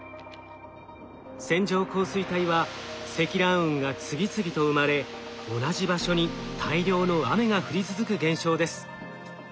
線状降水帯は積乱雲が次々と生まれ同じ場所に大量の雨が降り続く現象です。